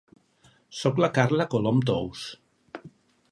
Soc la Carla Colom Tous.